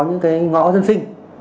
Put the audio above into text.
những cái ngõ dân sinh